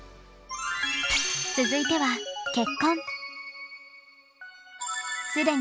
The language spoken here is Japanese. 続いては結婚。